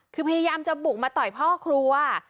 คือพยายามจะบุกมาต่อยพ่อครัว